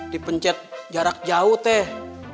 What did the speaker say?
dipencet jarak jauh teh